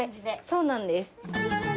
そうなんです。